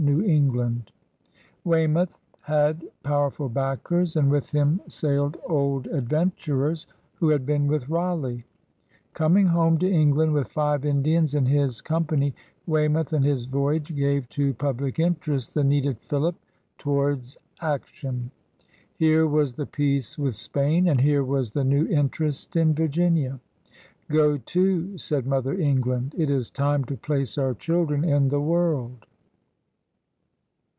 New England. Weymouth had powerful backers, and with him sailed old ad venturers who had been with Raleigh. Coming home to England with five Indians in his com pany, Weymouth and hia voyage gave to public interest the needed fillip towards action. Here was the peace with Spain, and here was the new interest in Virginia. *^Go to!'' said Mother England. ''It is time to place our children in the world!"